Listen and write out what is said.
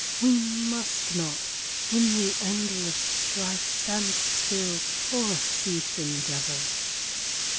We must not, in the endless strife, Stand still, or cease endeavour.